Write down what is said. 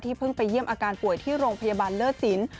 เพิ่งไปเยี่ยมอาการป่วยที่โรงพยาบาลเลิศสิน